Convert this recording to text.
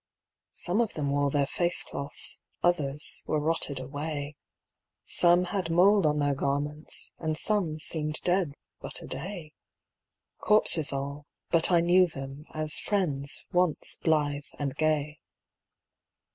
Some of them wore their face cloths, Others were rotted away. Some had mould on their garments, And some seemed dead but a day. Corpses all, but I knew them As friends, once blithe and gay.